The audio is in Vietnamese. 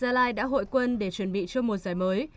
hoàng anh gia lai đã hội quân để chuẩn bị cho mùa giải mới